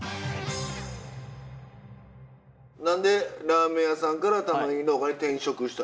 何でラーメン屋さんからたまねぎ農家に転職した？